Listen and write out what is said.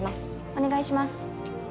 お願いします。